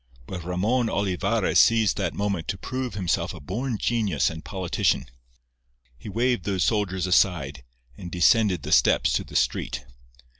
But Ramon Olivarra seized that moment to prove himself a born genius and politician. He waved those soldiers aside, and descended the steps to the street.